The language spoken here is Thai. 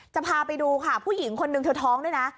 จะพาไปดูค่ะผู้หญิงคนนึงเธอท้องด้วยนะ